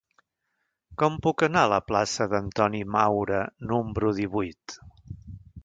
Com puc anar a la plaça d'Antoni Maura número divuit?